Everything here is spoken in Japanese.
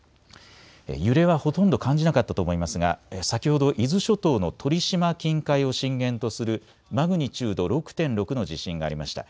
揺れはほとんど感じなかったと思いますが先ほど伊豆諸島の鳥島近海を震源とするマグニチュード６．６の地震がありました。